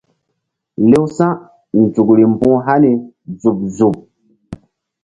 Lew sa̧nzukri mbu̧h hani zuɓ zuɓ.